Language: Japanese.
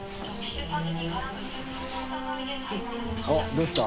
どうした？